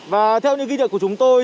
và theo những ghi nhật của chúng tôi